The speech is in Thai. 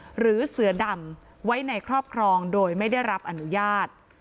จำไว้ในครอบครองโดยไม่ได้รับอนุญาต